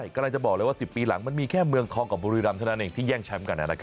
กำลังจะบอกเลยว่า๑๐ปีหลังมันมีแค่เมืองทองกับบุรีรำเท่านั้นเองที่แย่งแชมป์กัน